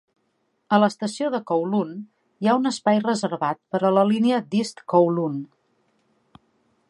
A l'estació de Kowloon hi ha un espai reservat per a la línia d'East Kowloon.